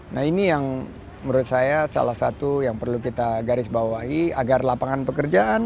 nah ini yang menurut saya salah satu yang perlu kita garis bawahi agar lapangan pekerjaan